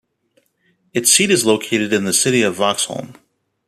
Its seat is located in the city of Vaxholm.